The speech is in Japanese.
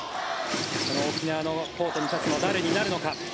沖縄のコートに立つのは誰になるのか。